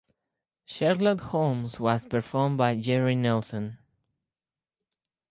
Sherlock Hemlock was performed by Jerry Nelson.